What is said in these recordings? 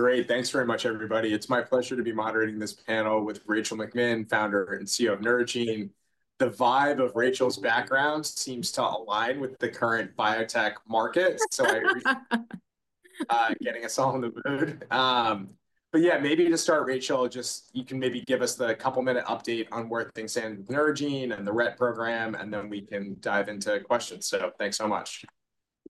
Great. Thanks very much, everybody. It's my pleasure to be moderating this panel with Rachel McMinn, founder and CEO of Neurogene. The vibe of Rachel's background seems to align with the current biotech market, getting us all in the mood. Maybe to start, Rachel, you can maybe give us the couple-minute update on where things stand with Neurogene and the Rett program, and then we can dive into questions. Thanks so much.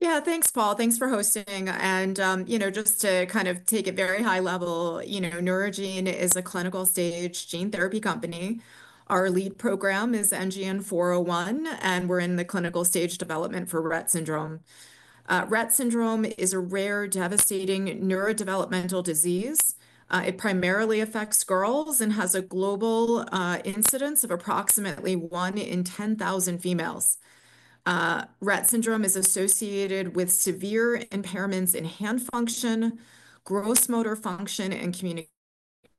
Yeah, thanks, Paul. Thanks for hosting. You know, just to kind of take it very high level, you know, Neurogene is a clinical stage gene therapy company. Our lead program is NGN-401, and we're in the clinical stage development for Rett syndrome. Rett syndrome is a rare, devastating neurodevelopmental disease. It primarily affects girls and has a global incidence of approximately one in 10,000 females. Rett syndrome is associated with severe impairments in hand function, gross motor function, and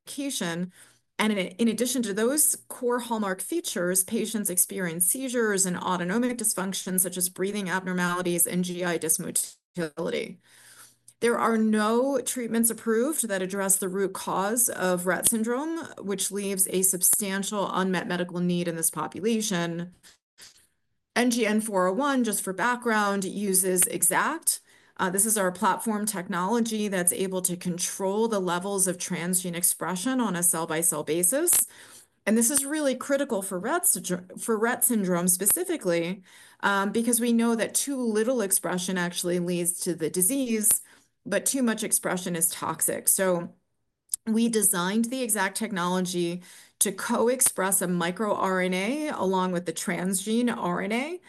communication. In addition to those core hallmark features, patients experience seizures and autonomic dysfunction such as breathing abnormalities and GI dysmotility. There are no treatments approved that address the root cause of Rett syndrome, which leaves a substantial unmet medical need in this population. NGN-401, just for background, uses EXACT. This is our platform technology that's able to control the levels of transgene expression on a cell-by-cell basis. This is really critical for Rett syndrome specifically because we know that too little expression actually leads to the disease, but too much expression is toxic. We designed the EXACT technology to co-express a microRNA along with the transgene RNA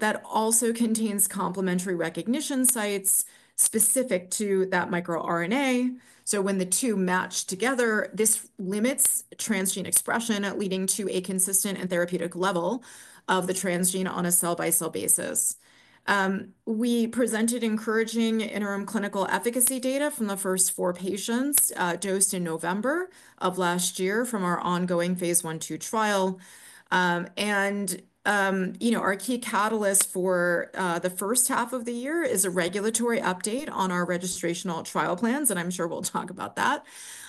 that also contains complementary recognition sites specific to that microRNA. When the two match together, this limits transgene expression, leading to a consistent and therapeutic level of the transgene on a cell-by-cell basis. We presented encouraging interim clinical efficacy data from the first four patients dosed in November of last year from our ongoing phase 1/2 trial. You know, our key catalyst for the first half of the year is a regulatory update on our registrational trial plans, and I'm sure we'll talk about that,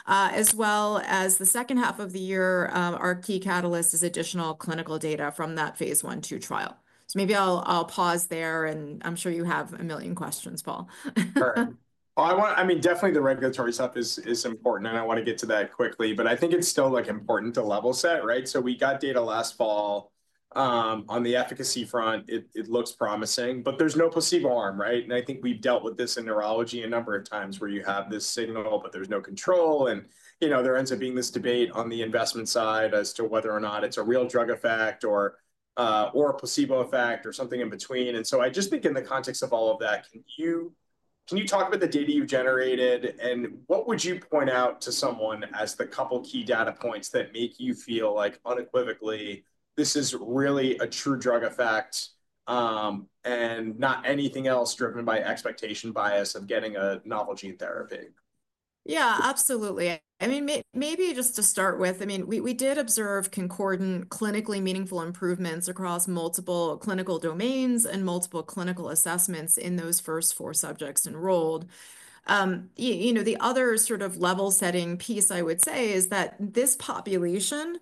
as well as the second half of the year, our key catalyst is additional clinical data from that phase 1/2 trial. Maybe I'll pause there, and I'm sure you have a million questions, Paul. Sure. I want to, I mean, definitely the regulatory stuff is important, and I want to get to that quickly, but I think it's still like important to level set, right? We got data last fall on the efficacy front. It looks promising, but there's no placebo arm, right? I think we've dealt with this in neurology a number of times where you have this signal, but there's no control. You know, there ends up being this debate on the investment side as to whether or not it's a real drug effect or a placebo effect or something in between. I just think in the context of all of that, can you talk about the data you generated, and what would you point out to someone as the couple key data points that make you feel like unequivocally this is really a true drug effect and not anything else driven by expectation bias of getting a novel gene therapy? Yeah, absolutely. I mean, maybe just to start with, I mean, we did observe concordant clinically meaningful improvements across multiple clinical domains and multiple clinical assessments in those first four subjects enrolled. You know, the other sort of level setting piece I would say is that this population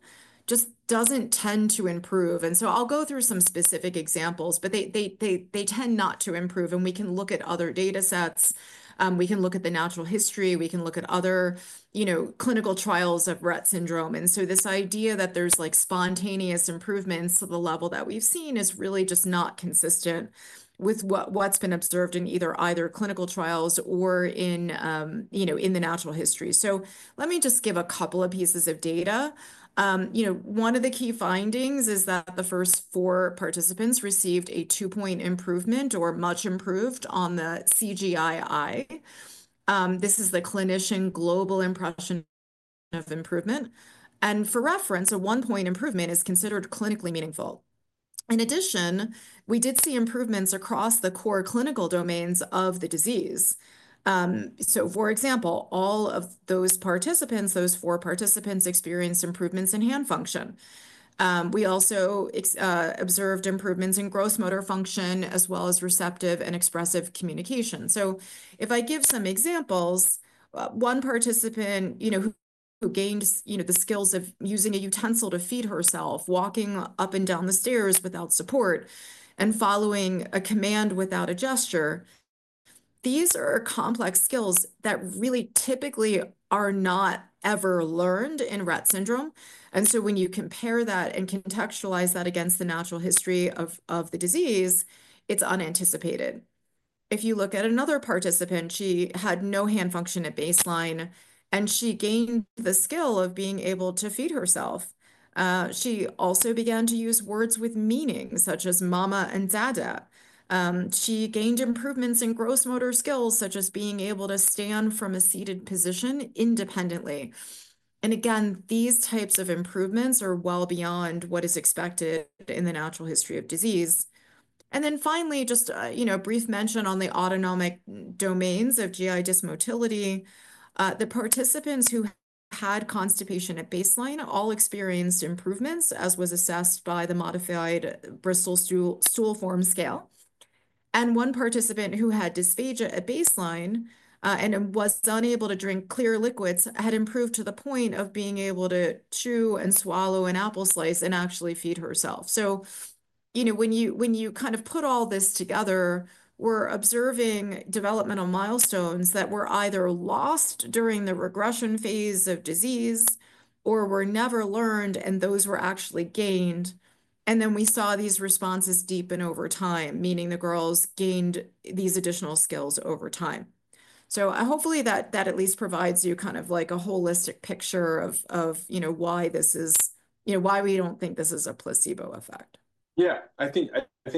just doesn't tend to improve. I will go through some specific examples, but they tend not to improve. We can look at other data sets. We can look at the natural history. We can look at other, you know, clinical trials of Rett syndrome. This idea that there's like spontaneous improvements to the level that we've seen is really just not consistent with what's been observed in either clinical trials or in, you know, in the natural history. Let me just give a couple of pieces of data. You know, one of the key findings is that the first four participants received a two-point improvement or much improved on the CGI-I. This is the Clinician Global Impression of Improvement. For reference, a one-point improvement is considered clinically meaningful. In addition, we did see improvements across the core clinical domains of the disease. For example, all of those participants, those four participants, experienced improvements in hand function. We also observed improvements in gross motor function as well as receptive and expressive communication. If I give some examples, one participant, you know, who gained, you know, the skills of using a utensil to feed herself, walking up and down the stairs without support, and following a command without a gesture, these are complex skills that really typically are not ever learned in Rett syndrome. When you compare that and contextualize that against the natural history of the disease, it's unanticipated. If you look at another participant, she had no hand function at baseline, and she gained the skill of being able to feed herself. She also began to use words with meaning such as mama and dada. She gained improvements in gross motor skills such as being able to stand from a seated position independently. These types of improvements are well beyond what is expected in the natural history of disease. Finally, just, you know, a brief mention on the autonomic domains of GI dysmotility. The participants who had constipation at baseline all experienced improvements, as was assessed by the modified Bristol Stool Form Scale. One participant who had dysphagia at baseline and was unable to drink clear liquids had improved to the point of being able to chew and swallow an apple slice and actually feed herself. You know, when you kind of put all this together, we're observing developmental milestones that were either lost during the regression phase of disease or were never learned, and those were actually gained. We saw these responses deepen over time, meaning the girls gained these additional skills over time. Hopefully that at least provides you kind of like a holistic picture of, you know, why this is, you know, why we don't think this is a placebo effect. Yeah, I think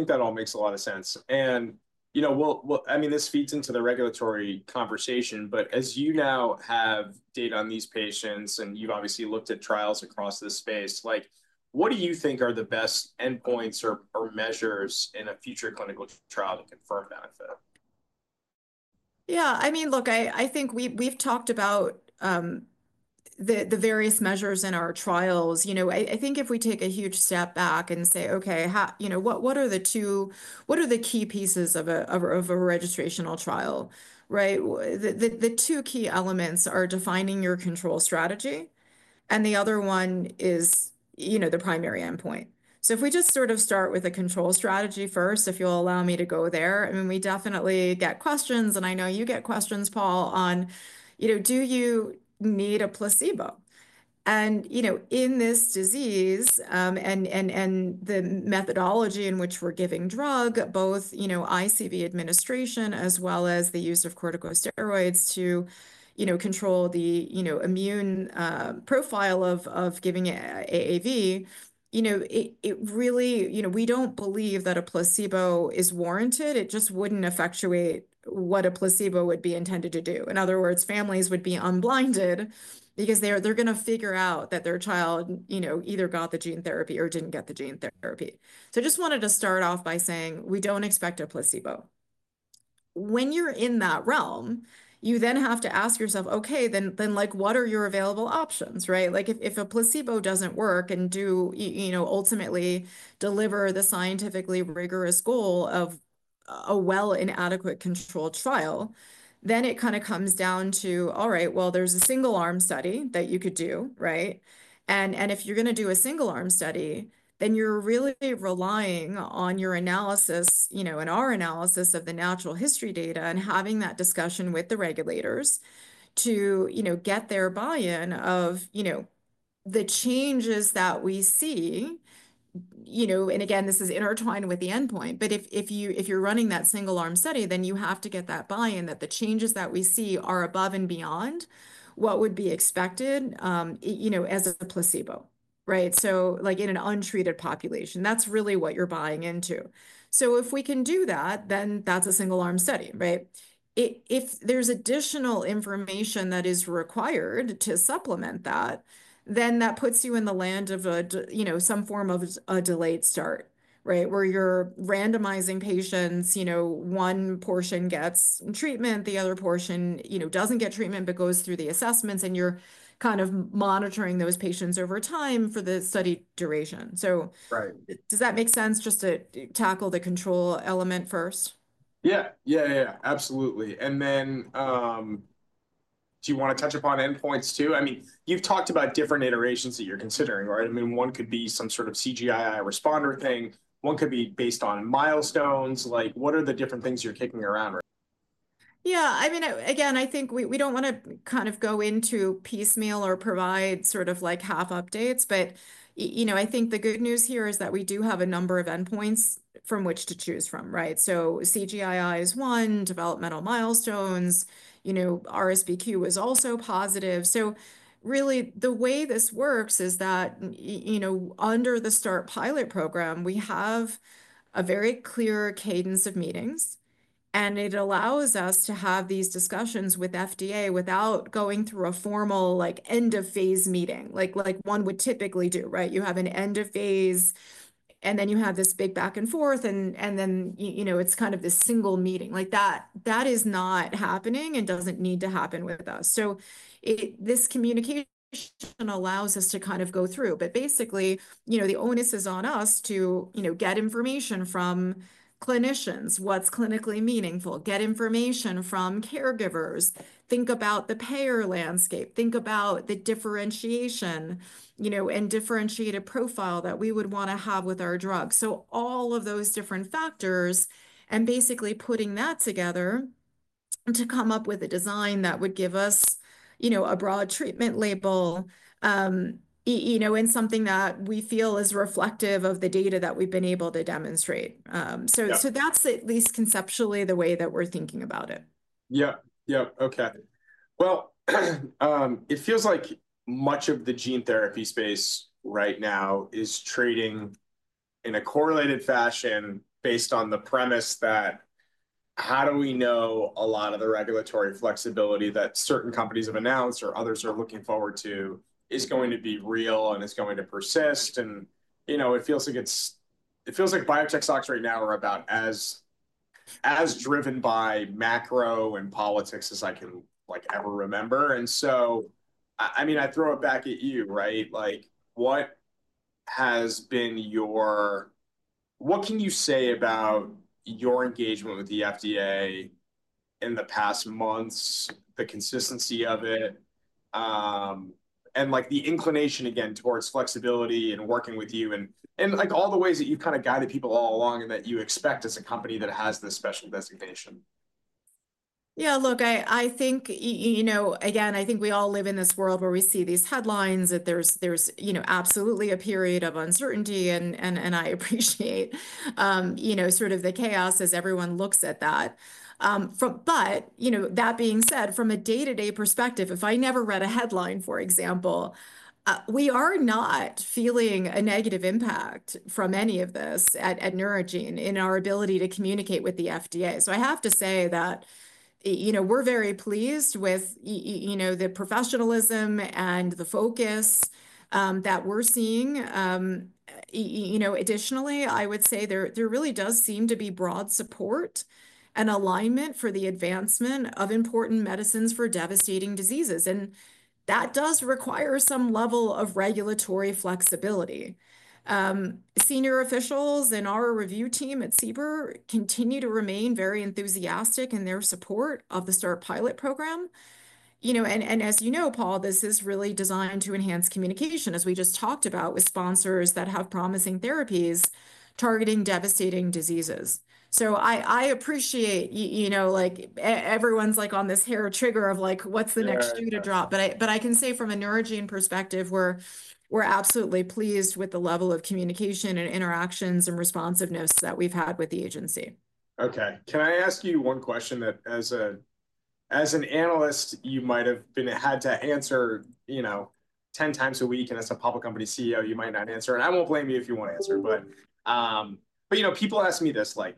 that all makes a lot of sense. You know, I mean, this feeds into the regulatory conversation, but as you now have data on these patients and you've obviously looked at trials across this space, like what do you think are the best endpoints or measures in a future clinical trial to confirm benefit? Yeah, I mean, look, I think we've talked about the various measures in our trials. You know, I think if we take a huge step back and say, okay, you know, what are the two, what are the key pieces of a registrational trial, right? The two key elements are defining your control strategy, and the other one is, you know, the primary endpoint. If we just sort of start with a control strategy first, if you'll allow me to go there, I mean, we definitely get questions, and I know you get questions, Paul, on, you know, do you need a placebo? You know, in this disease and the methodology in which we're giving drug, both, you know, ICV administration as well as the use of corticosteroids to, you know, control the, you know, immune profile of giving AAV, you know, it really, you know, we don't believe that a placebo is warranted. It just wouldn't effectuate what a placebo would be intended to do. In other words, families would be unblinded because they're going to figure out that their child, you know, either got the gene therapy or didn't get the gene therapy. I just wanted to start off by saying we don't expect a placebo. When you're in that realm, you then have to ask yourself, okay, then like what are your available options, right? Like if a placebo doesn't work and do, you know, ultimately deliver the scientifically rigorous goal of a well-inadequate controlled trial, then it kind of comes down to, all right, there's a single-arm study that you could do, right? If you're going to do a single-arm study, then you're really relying on your analysis, you know, and our analysis of the natural history data and having that discussion with the regulators to, you know, get their buy-in of, you know, the changes that we see, you know, and again, this is intertwined with the endpoint, but if you're running that single-arm study, then you have to get that buy-in that the changes that we see are above and beyond what would be expected, you know, as a placebo, right? Like in an untreated population, that's really what you're buying into. If we can do that, then that's a single-arm study, right? If there's additional information that is required to supplement that, then that puts you in the land of, you know, some form of a delayed start, right? Where you're randomizing patients, you know, one portion gets treatment, the other portion, you know, doesn't get treatment, but goes through the assessments, and you're kind of monitoring those patients over time for the study duration. Does that make sense just to tackle the control element first? Yeah, yeah, yeah, absolutely. Do you want to touch upon endpoints too? I mean, you've talked about different iterations that you're considering, right? I mean, one could be some sort of CGI-I responder thing. One could be based on milestones. Like what are the different things you're kicking around? Yeah, I mean, again, I think we don't want to kind of go into piecemeal or provide sort of like half updates, but you know, I think the good news here is that we do have a number of endpoints from which to choose from, right? CGI-I is one, developmental milestones, you know, RSBQ is also positive. Really the way this works is that, you know, under the START pilot program, we have a very clear cadence of meetings, and it allows us to have these discussions with FDA without going through a formal like end-of-phase meeting, like one would typically do, right? You have an end-of-phase, and then you have this big back and forth, and then, you know, it's kind of this single meeting. That is not happening and doesn't need to happen with us. This communication allows us to kind of go through, but basically, you know, the onus is on us to, you know, get information from clinicians, what's clinically meaningful, get information from caregivers, think about the payer landscape, think about the differentiation, you know, and differentiated profile that we would want to have with our drug. All of those different factors and basically putting that together to come up with a design that would give us, you know, a broad treatment label, you know, in something that we feel is reflective of the data that we've been able to demonstrate. That's at least conceptually the way that we're thinking about it. Yeah, yeah, okay. It feels like much of the gene therapy space right now is trading in a correlated fashion based on the premise that how do we know a lot of the regulatory flexibility that certain companies have announced or others are looking forward to is going to be real and is going to persist? You know, it feels like biotech stocks right now are about as driven by macro and politics as I can like ever remember. I throw it back at you, right? Like what has been your, what can you say about your engagement with the FDA in the past months, the consistency of it, and like the inclination again towards flexibility and working with you and like all the ways that you've kind of guided people all along and that you expect as a company that has this special designation? Yeah, look, I think, you know, again, I think we all live in this world where we see these headlines that there's, you know, absolutely a period of uncertainty, and I appreciate, you know, sort of the chaos as everyone looks at that. That being said, from a day-to-day perspective, if I never read a headline, for example, we are not feeling a negative impact from any of this at Neurogene in our ability to communicate with the FDA. I have to say that, you know, we're very pleased with, you know, the professionalism and the focus that we're seeing. Additionally, I would say there really does seem to be broad support and alignment for the advancement of important medicines for devastating diseases. That does require some level of regulatory flexibility. Senior officials in our review team at CBER continue to remain very enthusiastic in their support of the START pilot program. You know, and as you know, Paul, this is really designed to enhance communication, as we just talked about, with sponsors that have promising therapies targeting devastating diseases. You know, I appreciate, you know, like everyone's like on this hair trigger of like what's the next shoe to drop. I can say from a Neurogene perspective, we're absolutely pleased with the level of communication and interactions and responsiveness that we've had with the agency. Okay. Can I ask you one question that as an analyst, you might have been had to answer, you know, 10 times a week, and as a public company CEO, you might not answer. I will not blame you if you want to answer. You know, people ask me this, like,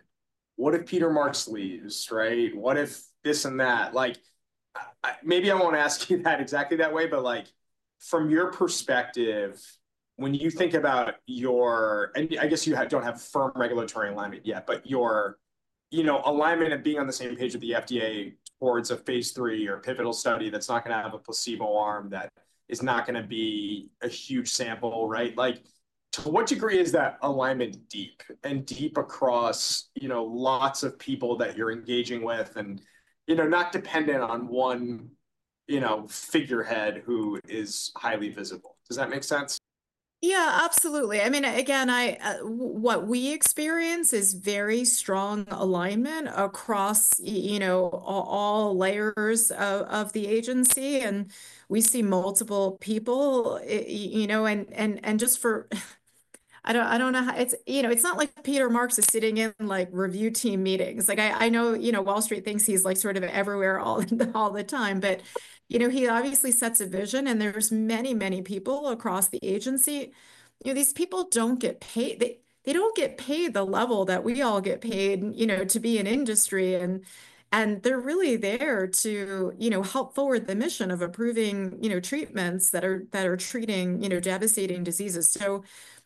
what if Peter Marks leaves, right? What if this and that? Like maybe I will not ask you that exactly that way, but like from your perspective, when you think about your, and I guess you do not have firm regulatory alignment yet, but your, you know, alignment of being on the same page with the FDA towards a phase three or pivotal study that is not going to have a placebo arm, that is not going to be a huge sample, right? Like to what degree is that alignment deep and deep across, you know, lots of people that you're engaging with and, you know, not dependent on one, you know, figurehead who is highly visible? Does that make sense? Yeah, absolutely. I mean, again, what we experience is very strong alignment across, you know, all layers of the agency. And we see multiple people, you know, and just for, I don't know, it's, you know, it's not like Peter Marks is sitting in like review team meetings. Like I know, you know, Wall Street thinks he's like sort of everywhere all the time, but, you know, he obviously sets a vision and there's many, many people across the agency. You know, these people don't get paid. They don't get paid the level that we all get paid, you know, to be in industry. And they're really there to, you know, help forward the mission of approving, you know, treatments that are treating, you know, devastating diseases. So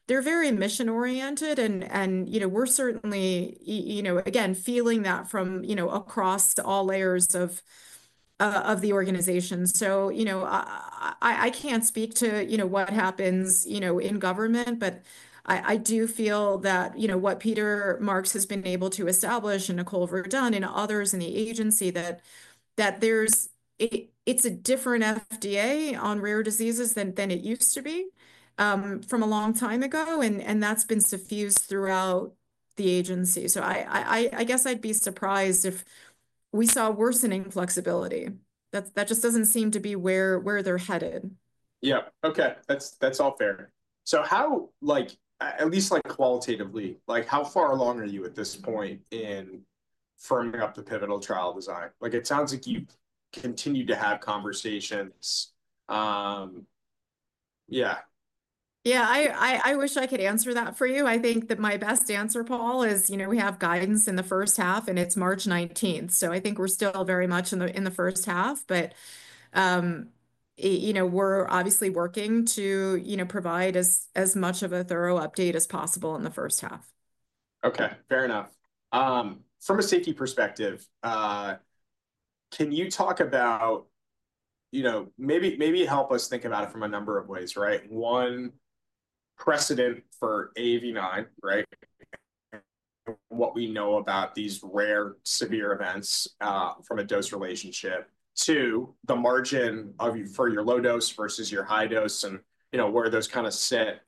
they're very mission-oriented and, you know, we're certainly, you know, again, feeling that from, you know, across all layers of the organization. You know, I can't speak to, you know, what happens, you know, in government, but I do feel that, you know, what Peter Marks has been able to establish and Nicole Verdun and others in the agency, that there's, it's a different FDA on rare diseases than it used to be from a long time ago, and that's been suffused throughout the agency. I guess I'd be surprised if we saw worsening flexibility. That just doesn't seem to be where they're headed. Yeah, okay. That's all fair. How, like at least like qualitatively, like how far along are you at this point in firming up the pivotal trial design? Like it sounds like you've continued to have conversations. Yeah. Yeah, I wish I could answer that for you. I think that my best answer, Paul, is, you know, we have guidance in the first half and it's March 19th. I think we're still very much in the first half, but, you know, we're obviously working to, you know, provide as much of a thorough update as possible in the first half. Okay, fair enough. From a safety perspective, can you talk about, you know, maybe help us think about it from a number of ways, right? One, precedent for AAV9, right? What we know about these rare severe events from a dose relationship. Two, the margin for your low dose versus your high dose and, you know, where those kind of sit.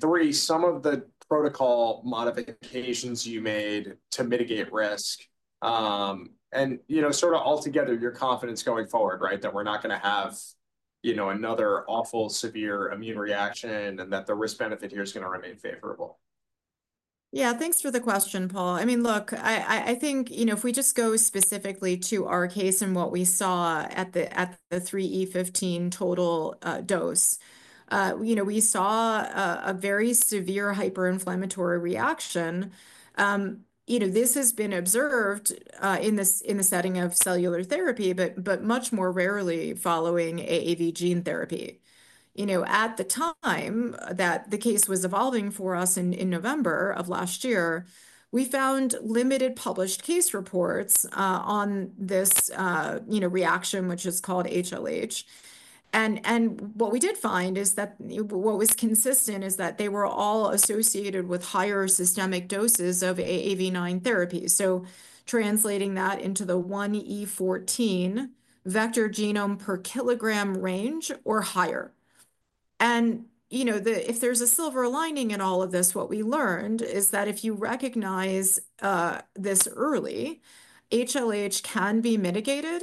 Three, some of the protocol modifications you made to mitigate risk. You know, sort of altogether your confidence going forward, right? That we're not going to have, you know, another awful severe immune reaction and that the risk-benefit here is going to remain favorable. Yeah, thanks for the question, Paul. I mean, look, I think, you know, if we just go specifically to our case and what we saw at the 3E15 total dose, you know, we saw a very severe hyperinflammatory reaction. You know, this has been observed in the setting of cellular therapy, but much more rarely following AAV gene therapy. You know, at the time that the case was evolving for us in November of last year, we found limited published case reports on this, you know, reaction, which is called HLH. What we did find is that what was consistent is that they were all associated with higher systemic doses of AAV9 therapy. Translating that into the 1E14 vector genome per kilogram range or higher. You know, if there's a silver lining in all of this, what we learned is that if you recognize this early, HLH can be mitigated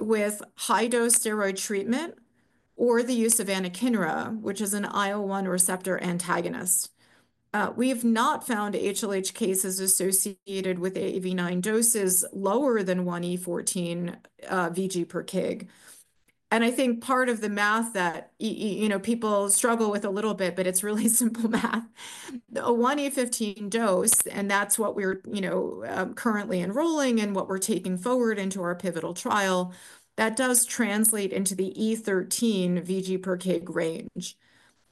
with high-dose steroid treatment or the use of anakinra, which is an IL-1 receptor antagonist. We have not found HLH cases associated with AAV9 doses lower than 1E14 VG per kg. I think part of the math that, you know, people struggle with a little bit, but it's really simple math. A 1E15 dose, and that's what we're, you know, currently enrolling and what we're taking forward into our pivotal trial, that does translate into the E13 VG per kg range.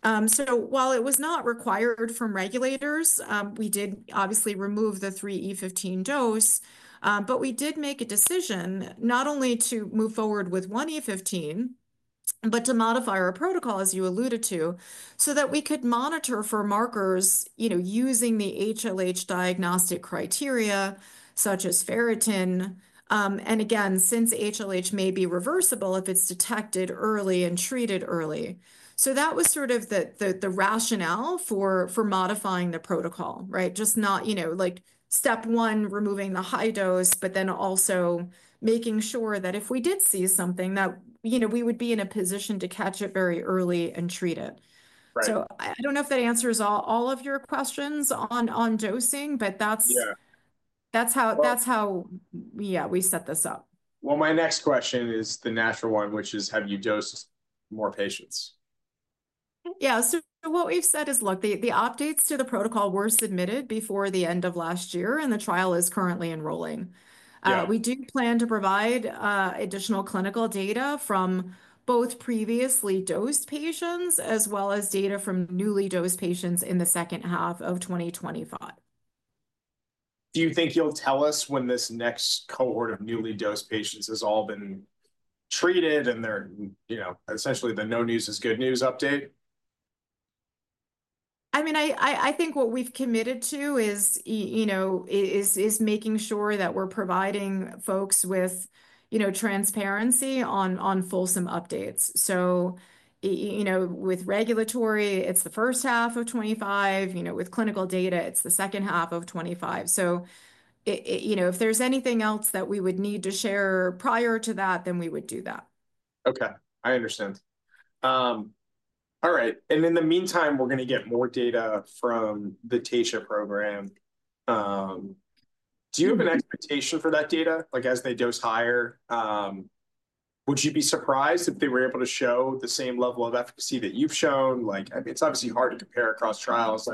While it was not required from regulators, we did obviously remove the 3E15 dose, but we did make a decision not only to move forward with 1E15, but to modify our protocol as you alluded to, so that we could monitor for markers, you know, using the HLH diagnostic criteria such as ferritin. Again, since HLH may be reversible if it's detected early and treated early. That was sort of the rationale for modifying the protocol, right? Just not, you know, like step one, removing the high dose, but then also making sure that if we did see something that, you know, we would be in a position to catch it very early and treat it. I don't know if that answers all of your questions on dosing, but that's how, yeah, we set this up. My next question is the natural one, which is, have you dosed more patients? Yeah, so what we've said is, look, the updates to the protocol were submitted before the end of last year, and the trial is currently enrolling. We do plan to provide additional clinical data from both previously dosed patients as well as data from newly dosed patients in the second half of 2025. Do you think you'll tell us when this next cohort of newly dosed patients has all been treated and they're, you know, essentially the no news is good news update? I mean, I think what we've committed to is, you know, is making sure that we're providing folks with, you know, transparency on fulsome updates. You know, with regulatory, it's the first half of 2025. You know, with clinical data, it's the second half of 2025. You know, if there's anything else that we would need to share prior to that, then we would do that. Okay, I understand. All right. In the meantime, we're going to get more data from the Taysha program. Do you have an expectation for that data? Like as they dose higher, would you be surprised if they were able to show the same level of efficacy that you've shown? Like it's obviously hard to compare across trials.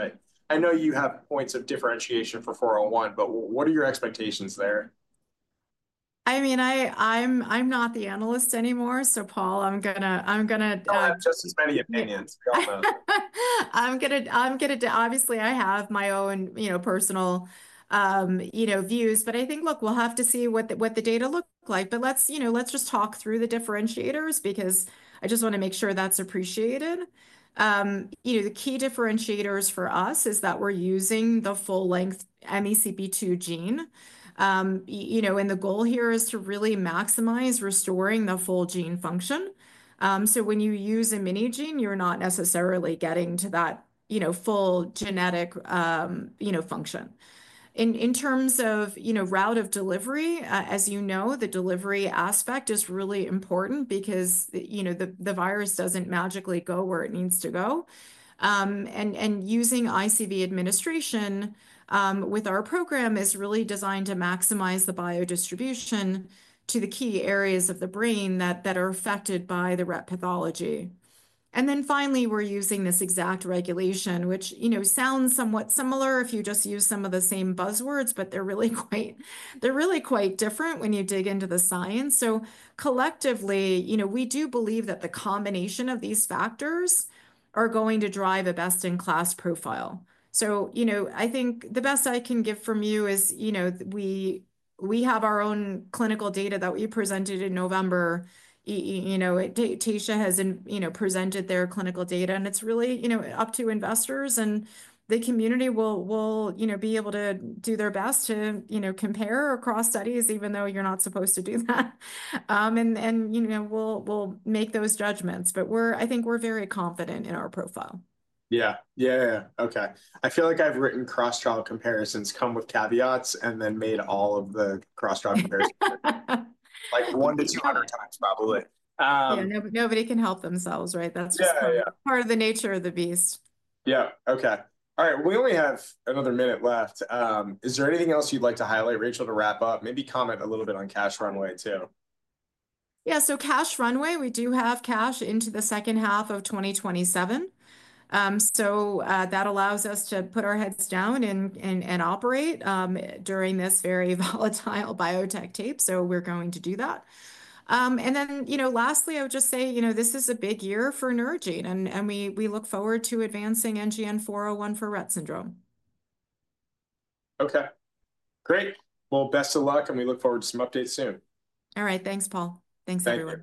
I know you have points of differentiation for 401, but what are your expectations there? I mean, I'm not the analyst anymore. Paul, I'm going to. I have just as many opinions. I'm going to, obviously, I have my own, you know, personal, you know, views. I think, look, we'll have to see what the data look like. Let's, you know, let's just talk through the differentiators because I just want to make sure that's appreciated. You know, the key differentiators for us is that we're using the full-length MECP2 gene. You know, and the goal here is to really maximize restoring the full gene function. When you use a mini gene, you're not necessarily getting to that, you know, full genetic, you know, function. In terms of, you know, route of delivery, as you know, the delivery aspect is really important because, you know, the virus doesn't magically go where it needs to go. Using ICV administration with our program is really designed to maximize the biodistribution to the key areas of the brain that are affected by the Rett pathology. Finally, we're using this EXACT regulation, which, you know, sounds somewhat similar if you just use some of the same buzzwords, but they're really quite, they're really quite different when you dig into the science. Collectively, you know, we do believe that the combination of these factors are going to drive a best-in-class profile. I think the best I can give from you is, you know, we have our own clinical data that we presented in November. You know, Taysha has, you know, presented their clinical data, and it's really, you know, up to investors and the community will, you know, be able to do their best to, you know, compare across studies, even though you're not supposed to do that. You know, we'll make those judgments, but we're, I think we're very confident in our profile. Yeah, yeah, yeah. Okay. I feel like I've written cross-trial comparisons come with caveats and then made all of the cross-trial comparisons like one to two hundred times probably. Yeah, nobody can help themselves, right? That's just part of the nature of the beast. Yeah, okay. All right. We only have another minute left. Is there anything else you'd like to highlight, Rachel, to wrap up? Maybe comment a little bit on cash runway too. Yeah, so cash runway, we do have cash into the second half of 2027. That allows us to put our heads down and operate during this very volatile biotech tape. We're going to do that. You know, lastly, I would just say, you know, this is a big year for Neurogene, and we look forward to advancing NGN-401 for Rett syndrome. Okay, great. Well, best of luck, and we look forward to some updates soon. All right, thanks, Paul. Thanks, everyone.